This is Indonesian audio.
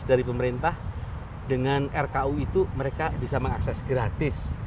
dari pemerintah dengan rku itu mereka bisa mengakses gratis